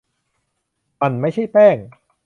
มันไม่ใช่แป้ง